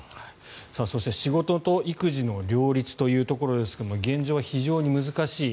そして仕事と育児の両立というところですが現状は非常に難しい。